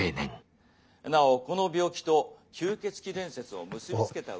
なおこの病気と吸血鬼伝説を結び付けたうわさが。